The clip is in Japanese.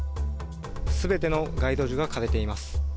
全ての街路樹が枯れています。